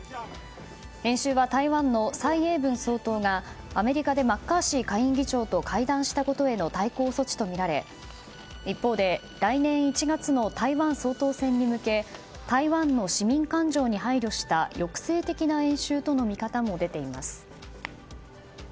演習は台湾の蔡英文総統がアメリカでマッカーシー下院議長と会談したことへの対抗措置とみられ一方で、来年１月の台湾総統選に向け台湾の市民感情に配慮した抑制的な演習との見方も出ています。